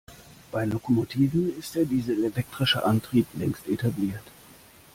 Bei Lokomotiven ist der dieselelektrische Antrieb längst etabliert.